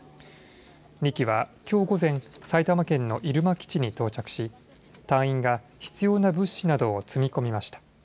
２機はきょう午前、埼玉県の入間基地に到着し隊員が必要な物資などを積み込みました。